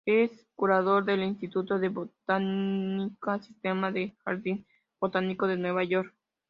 Es curador del "Instituto de Botánica Sistemática", del Jardín Botánico de Nueva York.